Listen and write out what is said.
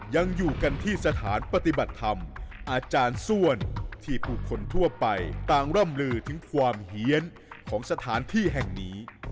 ยังอยู่กันที่สถานปฏิบัติธรรมอาจารย์ส้วนที่ผู้คนทั่วไปต่างร่ำลือถึงความเฮียนของสถานที่แห่งนี้